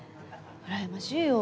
うらやましいよ。